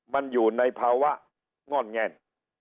มันอยู่ในภาวะง่อนแง่น